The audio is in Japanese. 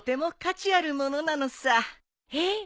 えっ。